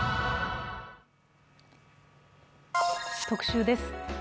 特集です。